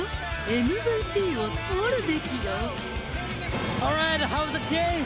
ＭＶＰを取るべきよ。